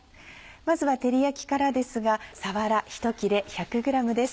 まずは照り焼きからですがさわら１切れ１００ｇです。